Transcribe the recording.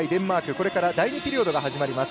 これから第２ピリオドが始まります。